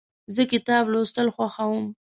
زه کتاب لوستل خوښوم.